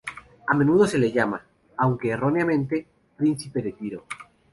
A menudo se le llama, aunque erróneamente, príncipe de Tiro.